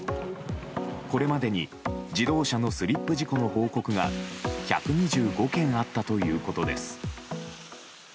これまでに自動車のスリップ事故の報告が１２５件あったということです。